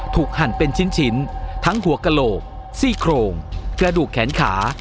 หั่นเป็นชิ้นทั้งหัวกระโหลกซี่โครงกระดูกแขนขา